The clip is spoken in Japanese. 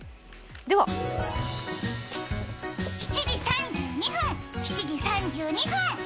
７時３２分、７時３２分